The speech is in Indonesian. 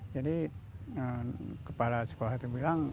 jadi kepala sekolah itu bilang